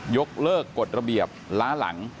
ยกเลิกกฎระเบียบล้าหลัง